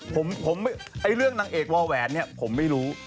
ผมไอ้เรื่องนางเอกวาแหวนเนี่ยผมไม่รู้